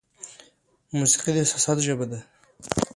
موسیقي د احساساتو ژبه ده.